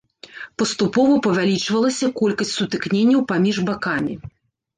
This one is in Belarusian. Паступова павялічвалася колькасць сутыкненняў паміж бакамі.